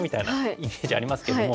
イメージありますけども。